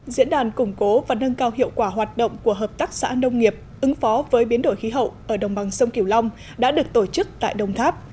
diễn đàn củng cố và nâng cao hiệu quả hoạt động của hợp tác xã nông nghiệp ứng phó với biến đổi khí hậu ở đồng bằng sông kiều long đã được tổ chức tại đồng tháp